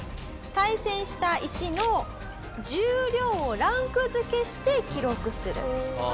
対戦した石の重量をランク付けして記録する。